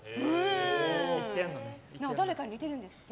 誰かに似てるんですって？